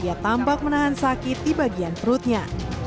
ia tampak menahan sakit di bagian perutnya